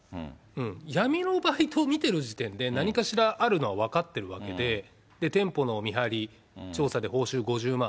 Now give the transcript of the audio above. うん、闇のバイトを見てる時点で、何かしらあるのは分かってるわけで、店舗の見張り、調査で報酬５０万。